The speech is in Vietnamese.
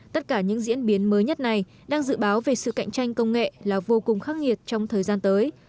tất cả những diễn biến mới nhất này đang dự báo về sự cạnh tranh công nghệ là vô cùng khắc nghiệt trong thời gian tới